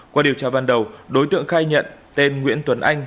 qua điều tra ban đầu đối tượng khai nhận tên nguyễn tuấn anh